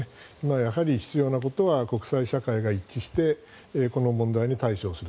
やはり、必要なことは国際社会が一致してこの問題に対処する。